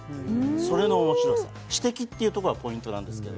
その面白さ、知的というところがポイントなんです。